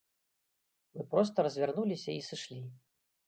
Мы проста развярнуліся і сышлі.